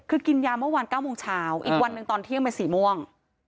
คือกินยาเมื่อวาน๙โมงเช้าอีกวันหนึ่งตอนเที่ยงเป็นสีม่วง